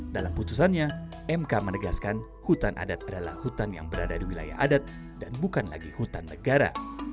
dalam putusannya mk menegaskan hutan adat adalah hutan yang berada di wilayah adat dan bukan lagi hutan negara